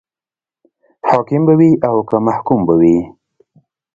حاکم به وي او که محکوم به وي.